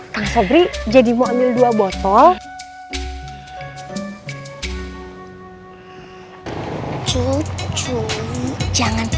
kang sobri jadi mau ambil dua botol